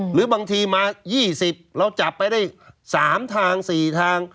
หรือบางทีมายี่สิบเราจับไปได้สามทางสี่ทาง